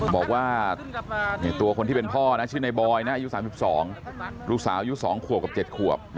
บอกว่าตัวคนที่เป็นพ่อนะชื่อในบอยนะอายุ๓๒ลูกสาวอายุ๒ขวบกับ๗ขวบ